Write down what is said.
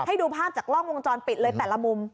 ให้ดูภาพจากกล้องวงจรปิดเลยแต่ละมุม